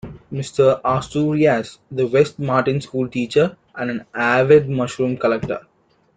Mr. Austurias The West Marin school teacher, and an avid mushroom collector.